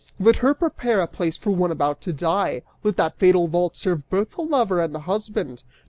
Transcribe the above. Let her prepare a place for one about to die, let that fatal vault serve both the lover and the husband!